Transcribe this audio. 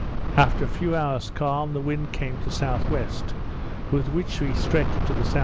After a few hours calm the wind came to S.W.; with which we stretched to the S.E.